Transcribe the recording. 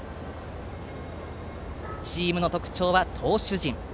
チームの特徴は投手陣。